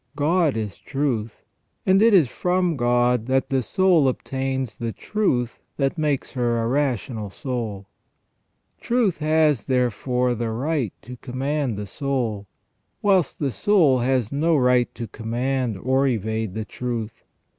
God is truth, and it is from God that the soul obtains FROM THE BEGINNING TO THE END OF MAN 383 the truth that makes her a rational soul." * Truth has, therefore, the right to command the soul, whilst the soul has no right to command or evade the truth.